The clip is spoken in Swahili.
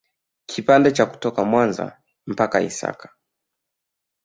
Kipande cha kutoka Mwanza mpaka Isaka